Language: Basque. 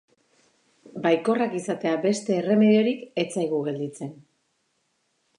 Baikorrak izatea beste erremediorik ez zaigu gelditzen.